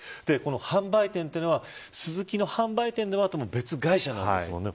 販売店というのはスズキの販売店であっても別会社なんですもんね。